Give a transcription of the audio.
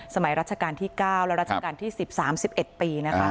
สมัยรัชกาลที่๙และรัฐกาลที่๑๐๓๑ปี